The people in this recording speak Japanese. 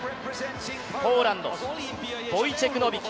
ポーランド、ボイチェク・ノビキ。